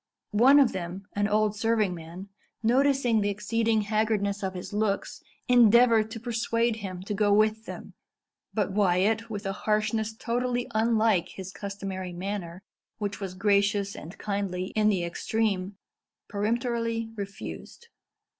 One of them, an old serving man, noticing the exceeding haggardness of his looks, endeavoured to persuade him to go with them; but Wyat, with a harshness totally unlike his customary manner, which was gracious and kindly in the extreme, peremptorily refused.